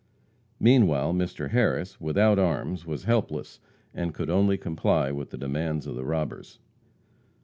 Meanwhile Mr. Harris, without arms, was helpless, and could only comply with the demands of the robbers.